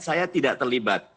saya tidak terlibat